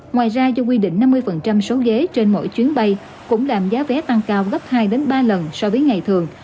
ngoài ra do quy định năm mươi số ghế trên mỗi chuyến bay cũng làm giá vé tăng cao gấp hai ba lần so với ngày thường